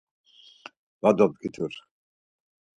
Va dobdgitur.